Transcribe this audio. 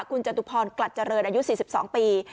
คุณจตุพรกลัดเจริญอายุ๔๒ปี